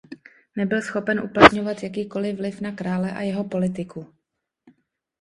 Nebyl schopen uplatňovat jakýkoli vliv na krále a jeho politiku.